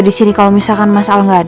di sini kalau misalkan masalah enggak ada